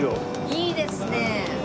いいですね！